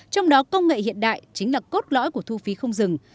trong đó công nghệ hiện đại chính là cốt lõi của thu phí không dừng